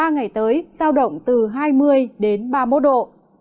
ba ngày tới sao động từ hai mươi đến ba mươi một độ